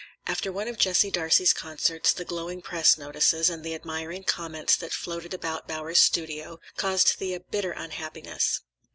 After one of Jessie Darcey's concerts the glowing press notices, and the admiring comments that floated about Bowers's studio, caused Thea bitter unhappiness.